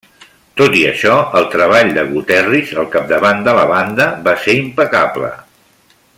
Tot i això, el treball de Goterris al capdavant de la banda va ser impecable.